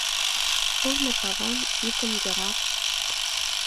Шурно каван — идым йырак